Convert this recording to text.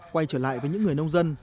quay trở lại với những người nông dân